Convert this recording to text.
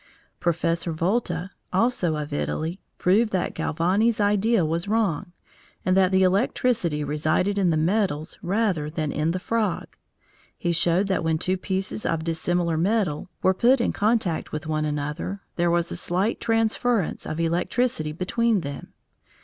Professor Volta, also of Italy, proved that Galvani's idea was wrong, and that the electricity resided in the metals rather than in the frog. He showed that when two pieces of dissimilar metal were put in contact with one another, there was a slight transference of electricity between them.